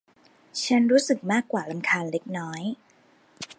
ฉันรู้สึกมากกว่ารำคาญเล็กน้อย